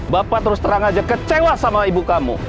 bapak terus terang aja kecewa sama ibu kamu